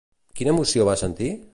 Quina emoció va sentir?